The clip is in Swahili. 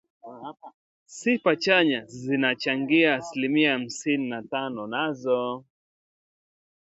Sifa chanya zinachangia asilimia hamsini na tano nazo